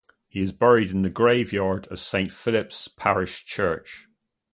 He is buried in the graveyard of Saint Philip’s Parish Church.